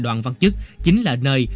nhà đoàn văn chức chính là nơi